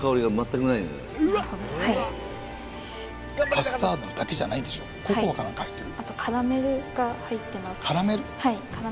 カスタードだけじゃないんでしょココアか何か入ってる？